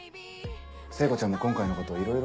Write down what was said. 聖子ちゃんも今回のこといろいろ。